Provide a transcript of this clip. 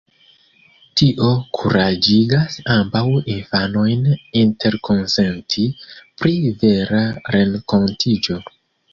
Tio kuraĝigas ambaŭ infanojn interkonsenti pri "vera" renkontiĝo.